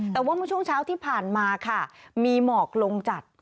แต่ว่าเมื่อช่วงเช้าที่ผ่านมาค่ะมีหมอกลงจัด